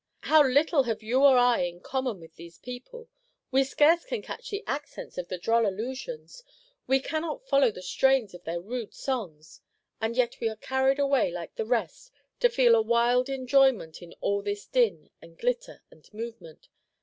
How little have you or I in common with these people! We scarce can catch the accents of the droll allusions, we cannot follow the strains of their rude songs, and yet we are carried away like the rest to feel a wild enjoyment in all this din, and glitter, and movement.